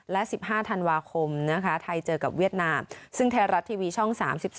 และ๑๕ธันวาคมไทยเจอกับเวียดนาซึ่งแทนรัฐทีวีช่องสาม๑๒